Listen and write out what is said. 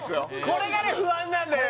これがね不安なんだよ